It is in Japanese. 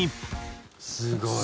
すごい！